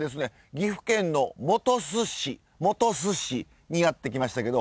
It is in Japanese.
岐阜県の本巣市本巣市にやって来ましたけど。